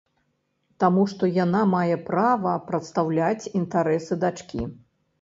Таму што яна мае права прадстаўляць інтарэсы дачкі.